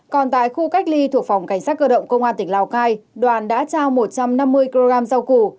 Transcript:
còn tại khu cách ly thuộc phòng cảnh sát cơ động công an tỉnh lào cai đoàn đã trao một trăm năm mươi kg rau củ